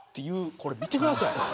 これ見てください。